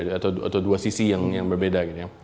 atau dua sisi yang berbeda gitu ya